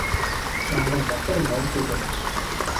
Яңғыҙ батыр яу түгел.